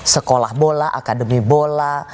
sekolah bola akademi bola